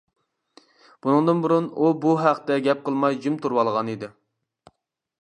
بۇنىڭدىن بۇرۇن ئۇ بۇ ھەقتە گەپ قىلماي جىم تۇرۇۋالغانىدى.